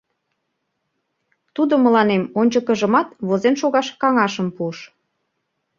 Тудо мыланем ончыкыжымат возен шогаш каҥашым пуыш.